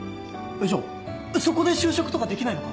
じゃあそこで就職とかできないのか？